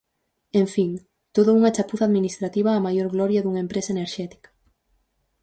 En fin, todo unha chapuza administrativa a maior gloria dunha empresa enerxética.